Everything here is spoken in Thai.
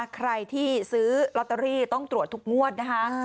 ใครที่ซื้อลอตเตอรี่ต้องตรวจทุกงวดนะคะ